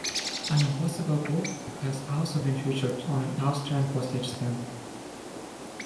An impossible cube has also been featured on an Austrian postage stamp.